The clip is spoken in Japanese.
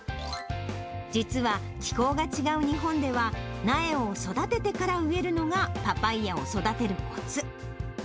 実は、気候が違う日本では、苗を育ててから植えるのが、パパイヤを育てるこつ。